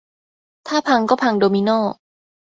ถ้าพังก็พังโดมิโน